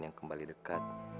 yang kembali dekat